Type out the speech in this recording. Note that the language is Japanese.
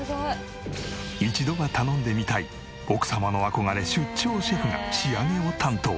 一度は頼んでみたい奥様の憧れ出張シェフが仕上げを担当。